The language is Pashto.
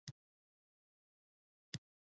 د شانګلې يو معزز سياسي او مذهبي مشر